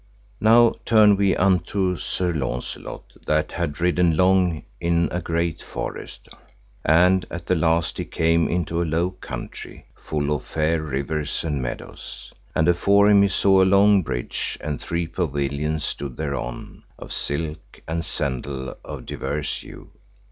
Now turn we unto Sir Launcelot that had ridden long in a great forest, and at the last he came into a low country, full of fair rivers and meadows. And afore him he saw a long bridge, and three pavilions stood thereon, of silk and sendal of divers hue.